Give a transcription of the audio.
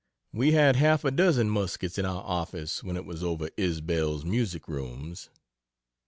We had half a dozen muskets in our office when it was over Isbell's Music Rooms.